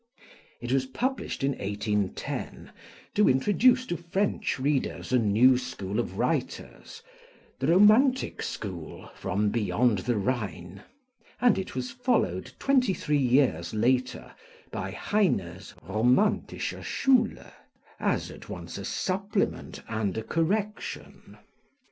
It was published in 1810, to introduce to French readers a new school of writers the romantic school, from beyond the Rhine; and it was followed, twenty three years later, by Heine's Romantische Schule, as at once a supplement and a correction.